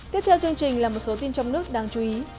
tiếp theo chương trình là một số tin trong nước đáng chú ý